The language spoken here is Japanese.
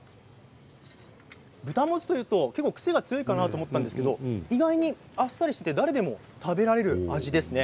豚モツというと結構、癖が強いかなと思ったんですけど意外にあっさりしていて誰でも食べられる味ですね。